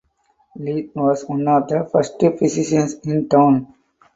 Leith was one of the first physicians in town.